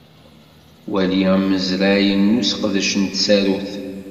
Wali amazray n useqdec n tsarut.